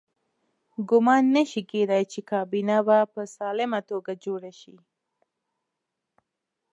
ګمان نه شي کېدای چې کابینه به په سالمه توګه جوړه شي.